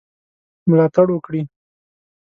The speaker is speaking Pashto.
ملاتړ وکړي.